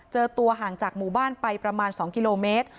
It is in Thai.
เจอตัวห่างจากหมู่บ้านไปประมาณ๒กิโลเมตร